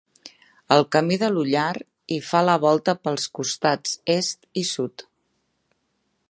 El Camí de l'Ullar hi fa la volta pels costats est i sud.